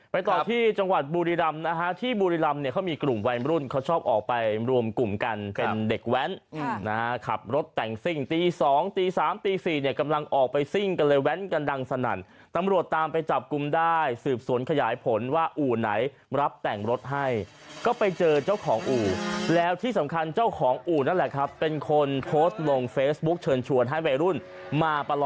ไปต่อที่จังหวัดบูริรำนะฮะที่บูริรำเนี่ยเขามีกลุ่มวัยรุ่นเขาชอบออกไปรวมกลุ่มกันเป็นเด็กแว้นนะครับรถแต่งสิ่งตีสองตีสามตีสี่เนี่ยกำลังออกไปสิ่งกันเลยแว้นกันดังสนันตำรวจตามไปจับกลุ่มได้สืบสวนขยายผลว่าอู่ไหนรับแต่งรถให้ก็ไปเจอเจ้าของอู่แล้วที่สำคัญเจ้าของอู่นั่